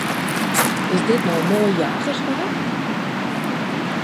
Is dit no moai jagerswaar?